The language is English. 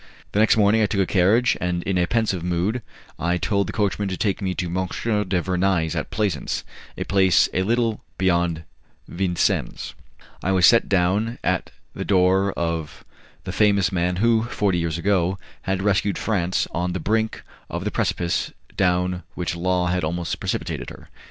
The next morning I took a carriage, and in a pensive mood I told the coachman to take me to M. du Vernai's, at Plaisance a place a little beyond Vincennes. I was set down at the door of the famous man who, forty years ago, had rescued France on the brink of the precipice down which Law had almost precipitated her.